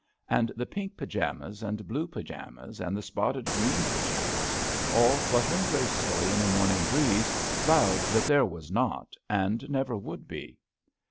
'* And the pink pyjamas and blue py jamas and the spotted green pyjamas, all flutter ing gracefully in the morning breeze, vowed that there was not and never would be.